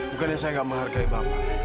bukannya saya tidak menghargai bapak